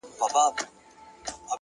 هره ورځ د عادتونو جوړولو وخت دی,